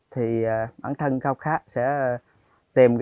thì bản thân cao khát sẽ tìm ra lối đi của mình